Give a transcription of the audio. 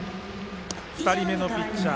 ２人目のピッチャー